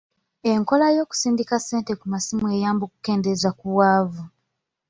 Enkola y'okusindikira ssente ku masimu eyamba okukendeeza ku bwavu.